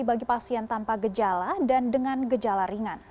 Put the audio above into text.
bagi pasien tanpa gejala dan dengan gejala ringan